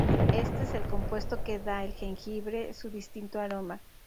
Este es el compuesto que da el jengibre su distintivo aroma.